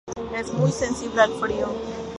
Es muy sensible al frío.